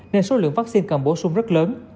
nên số lượng vaccine cần bổ sung rất lớn